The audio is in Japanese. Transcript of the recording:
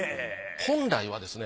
本来はですね